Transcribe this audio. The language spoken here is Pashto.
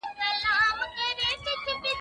ایا ته پوهېږې چې دا څو ساعته سفر دی؟